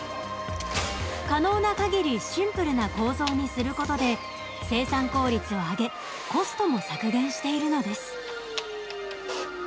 可能な限りシンプルな構造にすることで生産効率を上げコストも削減しているのです。